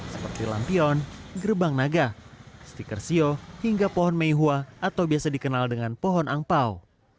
seperti lampion gerbang naga stiker sio hingga pohon meihua atau biasa dikenal dengan pohon angpao